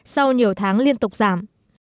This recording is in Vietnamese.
sau nhiều tháng liên tục giảm